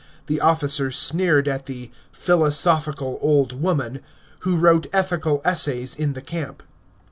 The officers sneered at the "philosophical old woman" who wrote ethical essays in the camp.